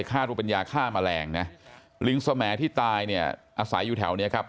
คาดว่าเป็นยาฆ่าแมลงนะลิงสแหมดที่ตายเนี่ยอาศัยอยู่แถวเนี้ยครับ